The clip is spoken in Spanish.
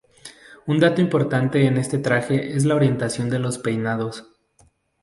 Un dato importante en este traje, es la orientación de los peinados.